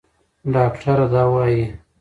ډاکټره دا وايي.